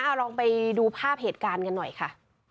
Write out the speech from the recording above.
เอาลองไปดูภาพเหตุการณ์กันหน่อยค่ะ